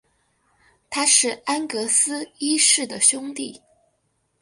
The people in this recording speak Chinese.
他是安格斯一世的兄弟。